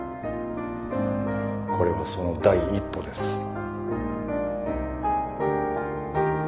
これはその第一歩です。